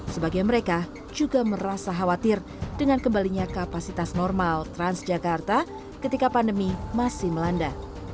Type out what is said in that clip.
sebagian mereka juga merasa khawatir dengan kembalinya kapasitas normal transjakarta ketika pandemi masih melanda